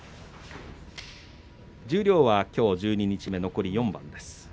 十両はきょう十二日目残り４番です。